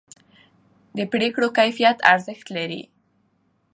د پرېکړو کیفیت ارزښت لري